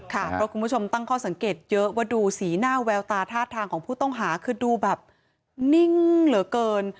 เพราะคุณผู้ชมตั้งข้อสังเกตเยอะที่ดูสีหน้าแววตาธาตุทางคือดูนิ่งเหลือเกิน